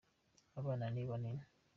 abana nibanini